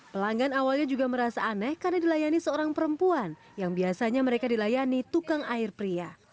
pelanggan awalnya juga merasa aneh karena dilayani seorang perempuan yang biasanya mereka dilayani tukang air pria